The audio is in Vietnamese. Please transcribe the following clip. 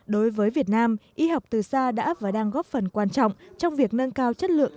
đối với việt nam y học từ xa đã và đang góp phần quan trọng trong việc nâng cao chất lượng